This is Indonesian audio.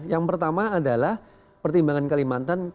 yang pertama adalah pertimbangan kalimantan